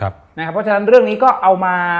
เพราะฉะนั้นเรื่องนี้ก็เอามา